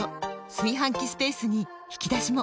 炊飯器スペースに引き出しも！